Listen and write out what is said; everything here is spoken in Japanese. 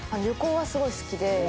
旅行はすごい好きで。